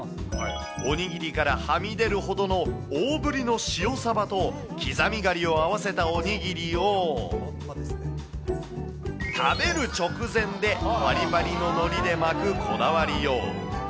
おにぎりからはみ出るほどの大ぶりの塩サバと刻みガリを合わせたおにぎりを、食べる直前でぱりぱりののりで巻くこだわりよう。